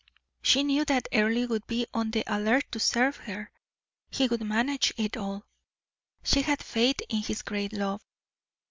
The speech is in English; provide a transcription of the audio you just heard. She knew that Earle would be on the alert to serve her, he would manage it all. She had faith in his great love.